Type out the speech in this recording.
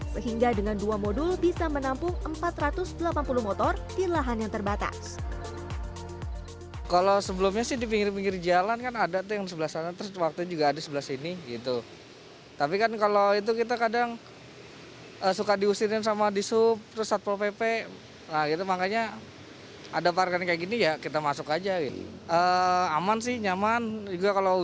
sehingga jalannya bisa berjalan dengan jalan yang lebih jauh